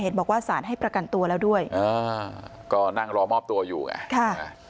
บอกว่าสารให้ประกันตัวแล้วด้วยอ่าก็นั่งรอมอบตัวอยู่ไงค่ะ